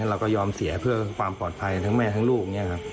เราก็ยอมเสียเพื่อความปลอดภัยทั้งแม่ทั้งลูก